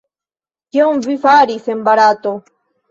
Kion vi faris en Barato?